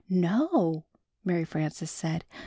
"No," Mary Frances said.